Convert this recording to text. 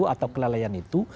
atau kelalaian itu